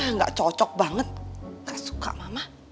eh gak cocok banget gak suka mama